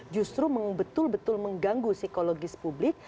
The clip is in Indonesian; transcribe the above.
justru betul betul mengganggu psikologis publik